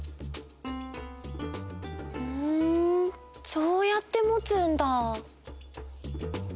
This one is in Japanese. ふんそうやってもつんだ。